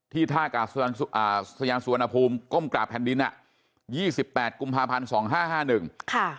ที่ท่ากาศสวรรณภูมิก้มกราบแผ่นดิน๒๘กรุงภาพันธ์๒๕๕๑